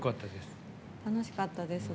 楽しかったです。